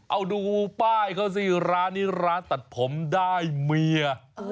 เอาดูป้ายเขาสิร้านนี้ร้านตัดผมได้เมีย